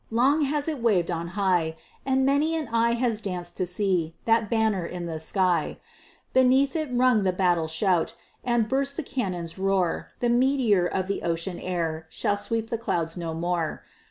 Long has it waved on high, And many an eye has danced to see That banner in the sky; Beneath it rung the battle shout, And burst the cannon's roar; The meteor of the ocean air Shall sweep the clouds no more.